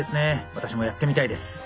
私もやってみたいです。